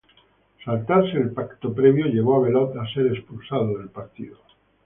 Saltarse el pacto previo, llevó a Bellot a ser expulsado del partido.